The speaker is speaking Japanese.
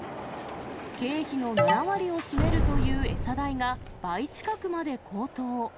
経費の７割を占めるという餌代が、倍近くまで高騰。